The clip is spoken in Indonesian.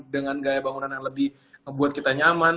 dengan gaya bangunan yang lebih membuat kita nyaman